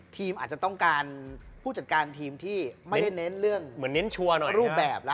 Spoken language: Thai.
ทีมอาจจะต้องการผู้จัดการทีมที่ไม่ได้เน้นเรื่องรูปแบบ